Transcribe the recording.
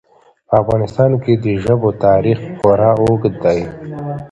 په افغانستان کې د ژبو تاریخ خورا اوږد دی.